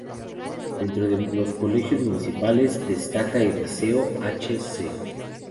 Dentro de los colegios municipales, destaca el Liceo h.c.